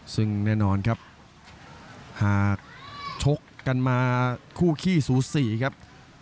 ซึ่งแน่นอนครับหากชกกันมาคู่ขี้สูสีครับ